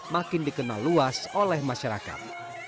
makin dikenal luas oleh masyarakat